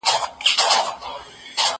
ميوې د زهشوم له خوا خوړل کيږي!!